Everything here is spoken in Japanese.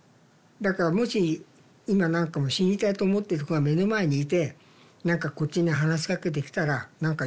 だからもし今何か死にたいと思ってる子が目の前にいて何かこっちに話しかけてきたら何か言うことはあると思うけどね。